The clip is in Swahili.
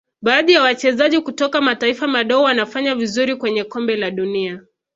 baadhi ya wachezaji kutoka mataifa madogo wanafanya vizuri kwenye Kombe la dunia